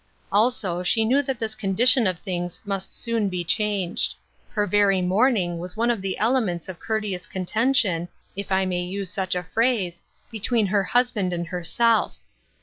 Also she knew that this condition of things must soon be changed. Her very mourning was one of the elements of courteous contention, if I may use such a phrase, between her husband and herself.